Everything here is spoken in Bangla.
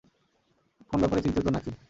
কোন ব্যাপারে চিন্তিত না কী?